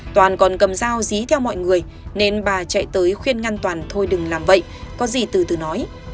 toàn còn cầm dao dí theo mọi người nên bà chạy tới khuyên ngăn toàn thôi đừng làm vậy có gì từ từ nói